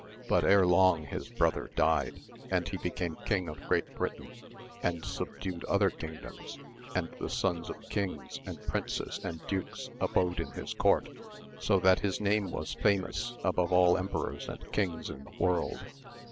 But ere long his brother died, and he became Ring of Great Britain, and subdued other kingdoms, and the sons of kings, and princes, and dukes, abode in his court, so that his name was famous above all emperors and kings in the world.